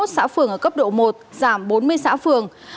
hai trăm tám mươi một xã phường ở cấp độ một giảm bốn mươi xã phường